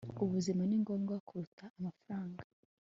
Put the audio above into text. ubuzima ni ngombwa kuruta amafaranga